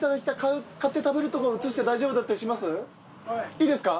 いいですか？